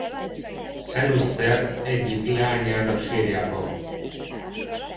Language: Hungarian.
Szenuszert egyik leányának sírjában.